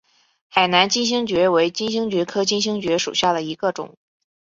海南金星蕨为金星蕨科金星蕨属下的一个种。